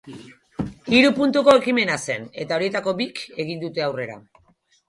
Hiru puntuko ekimena zen, eta horietako bik egin dute aurrera.